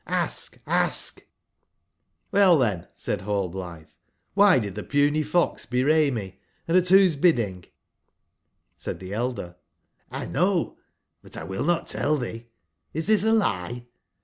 Hsk, Hsk I " j^'' mdi then," said nallblitbe,'' wby did the puny fox bewrayme,& at whose bidding?" Said tbe elder: ''1 know, but Twill not tell thee. Is this a lie?"